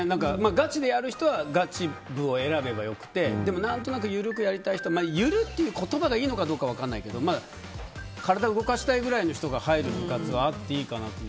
ガチでやる人はガチ部を選べばよくてでもなんとなく緩くやりたい人緩いっていう言葉がいいのかどうかは分からないけど体を動かしたいくらいの人が入る部活はあっていいかなって。